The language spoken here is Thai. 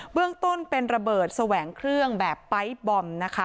เบื้องต้นเป็นระเบิดแสวงเครื่องแบบปไตต์บอม